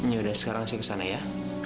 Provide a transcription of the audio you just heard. ya udah sekarang saya kesana ya